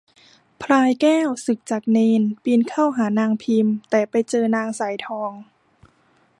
พลายแก้วสึกจากเณร ปีนเข้าหานางพิม แต่ไปเจอนางสายทอง